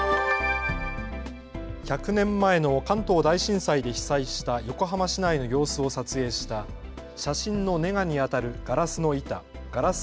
１００年前の関東大震災で被災した横浜市内の様子を撮影した写真のネガにあたるガラスの板・ガラス